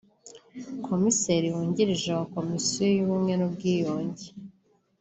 Komiseri wungirije wa Komisiyo y’Ubumwe n’Ubwiyunge